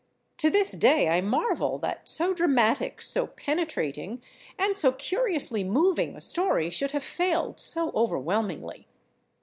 To this day I marvel that so dramatic, so penetrating and so curiously moving a story should have failed so overwhelmingly....